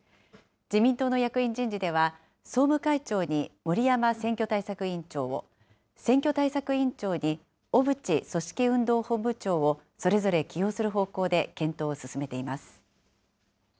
自民党の役員人事では、総務会長に森山選挙対策委員長を、選挙対策委員長に小渕組織運動本部長を、それぞれ起用する方向で検討を進めています。